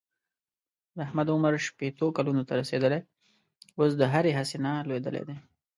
د احمد عمر شپېتو کلونو ته رسېدلی اوس د هرې هڅې نه لوېدلی دی.